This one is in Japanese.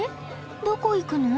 どこ行くの？